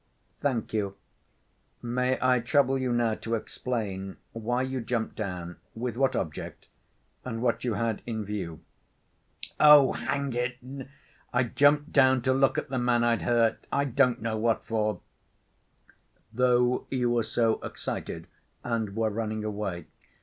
"Thank you. May I trouble you now to explain why you jumped down, with what object, and what you had in view?" "Oh, hang it!... I jumped down to look at the man I'd hurt ... I don't know what for!" "Though you were so excited and were running away?"